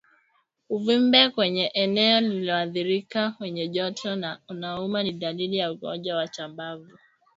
Uvimbe kwenye eneo lililoathirika wenye joto na unaouma ni dalili ya ugonjwa wa chambavu